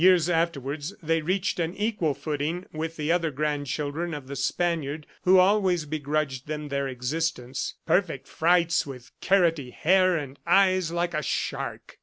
Years afterwards they reached an equal footing with the other grandchildren of the Spaniard who always begrudged them their existence, "perfect frights, with carroty hair, and eyes like a shark."